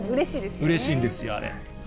うれしいんですよ、あれ。